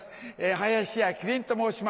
林家木りんと申します。